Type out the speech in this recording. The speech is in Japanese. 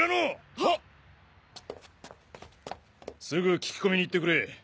すぐ聞き込みに行ってくれ